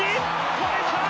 止めた！